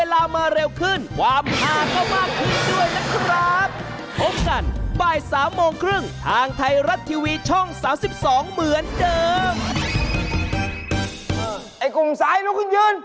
และต่างคนต่างก็ชักมีดออกมาคนละลึม